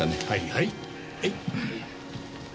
はい。